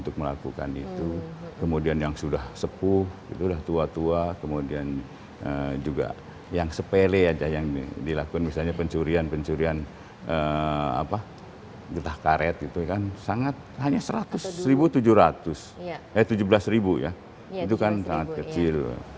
jadi harus melakukan itu kemudian yang sudah sepuh itu sudah tua tua kemudian juga yang sepele aja yang dilakukan misalnya pencurian pencurian getah karet gitu kan sangat hanya seratus seribu tujuh ratus eh tujuh belas ribu ya itu kan sangat kecil